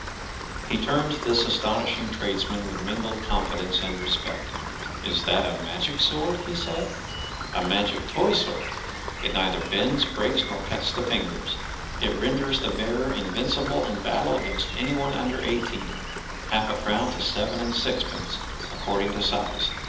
He turned to this astonishing tradesman with mingled confidence and respect. “ Is that a Magic Sword ? ” he said. “ A Magic Toy Sword. It neither bends, breaks, nor cuts the fingers. It renders the bearer invincible in battle against anyone under eighteen. Half a crown to seven and sixpence, according to size.